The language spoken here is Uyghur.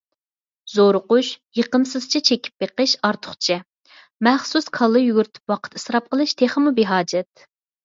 زورۇقۇش، يېقىمسىزچە چېكىپ بېقىش ئارتۇقچە. مەخسۇس كاللا يۈگۈرتۈپ ۋاقىت ئىسراپ قىلىش تېخىمۇ بىھاجەت.